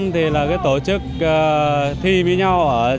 tổ chức thi với nhau